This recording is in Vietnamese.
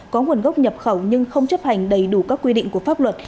có nguồn gốc nhập khẩu nhưng không chấp hành đầy đủ các quy định của pháp luật